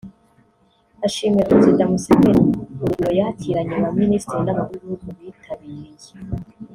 Ashimira Perezida Museveni urugwiro yakiranye ba Minisitiri n’abakuru b’ibihgu bitabiriye